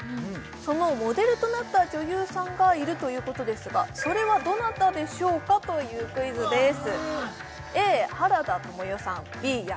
そのモデルとなった女優さんがいるということですがそれはどなたでしょうかというクイズです